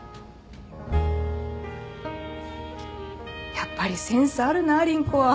やっぱりセンスあるな凛子は。